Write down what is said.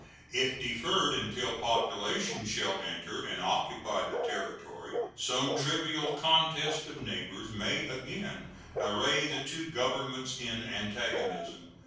If deferred until population shall enter and occupy the territory, some trivial contest of neighbors may again array the two Governments in antagonism.